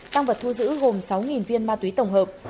tăng vật thu giữ gồm sáu viên ma túy tổng hợp